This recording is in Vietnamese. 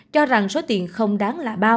cho rằng số tiền không đáng lạ bao